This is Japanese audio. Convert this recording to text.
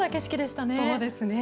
そうですね。